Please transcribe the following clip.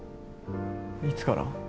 いつから？